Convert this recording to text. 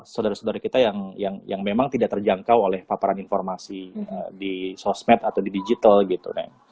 saudara saudara kita yang memang tidak terjangkau oleh paparan informasi di sosmed atau di digital gitu